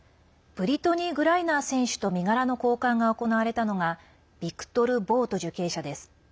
ブリトニー・グライナー選手と身柄の交換が行われたのがビクトル・ボウト受刑者です。